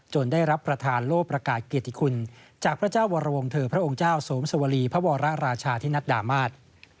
ได้รับประทานโลกประกาศเกียรติคุณจากพระเจ้าวรวงเถอพระองค์เจ้าสวมสวรีพระวรราชาธินัดดามาศ